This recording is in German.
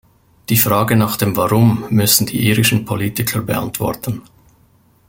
Die Frage nach dem "Warum" müssen die irischen Politiker beantworten.